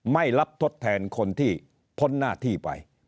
ไม่รับทดแทนคนที่พ้นหน้าที่ไป